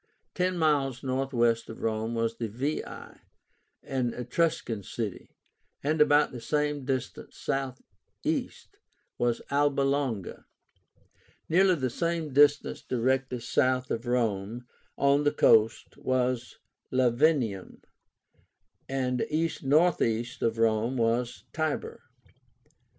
Ten miles northwest of Rome was Veii, an Etruscan city, and about the same distance southeast was Alba Longa. Nearly the same distance directly south of Rome, on the coast, was Lavinium, and east northeast of Rome was Tibur.